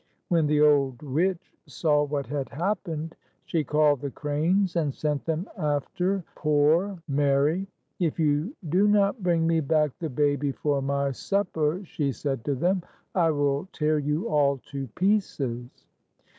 When the old witch saw what had happened, she called the cranes and sent them after poor 44 45 Mary. "If you do not bring me back the baby for my supper," she said to them, "I will tear you all to pieces